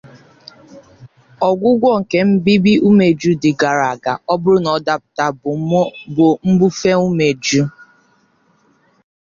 Ọgwụgwọ nke mbibi umeju dị gara gara, ọ bụrụ na ọ dapụta, bụ mbufe umeju.